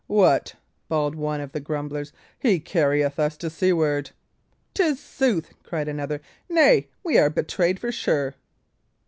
"What!" bawled one of the grumblers, "he carrieth us to seaward!" "'Tis sooth," cried another. "Nay, we are betrayed for sure."